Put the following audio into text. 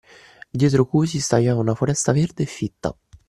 Dietro cui si stagliava una foresta verde e fitta.